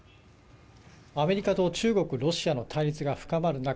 アメリカと中国ロシアの対立が深める中